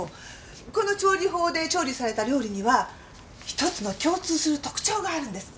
この調理法で調理された料理には一つの共通する特徴があるんです。